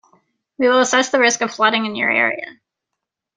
We will assess the risk of flooding in your area.